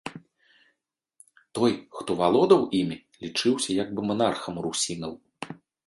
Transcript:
Той, хто валодаў імі, лічыўся як бы манархам русінаў.